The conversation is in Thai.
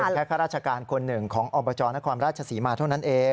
แค่ข้าราชการคนหนึ่งของอบจนครราชศรีมาเท่านั้นเอง